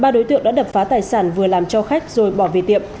ba đối tượng đã đập phá tài sản vừa làm cho khách rồi bỏ về tiệm